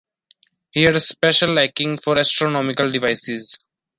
He had a special liking for astronomical devices.